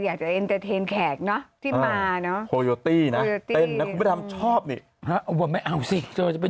อยากจะเอ็นเทรนแขกนะที่มาเนาะโคโยตี้นะชอบนี่เอาสิจะไป